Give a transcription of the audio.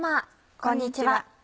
こんにちは。